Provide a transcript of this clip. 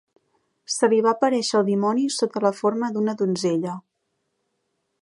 Se li va aparèixer el dimoni sota la forma d'una donzella.